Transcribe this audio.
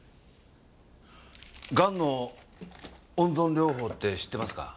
ガンの温存療法って知ってますか？